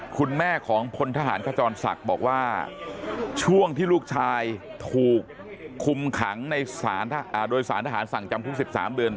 คุณแม่ของพลทหารขจรศักดิ์บอกว่าช่วงที่ลูกชายถูกคุมขังในสารทหารสั่งจำคุก๑๓เดือน